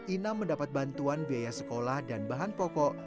inam mendapat bantuan biaya sekolah dan bahan pokok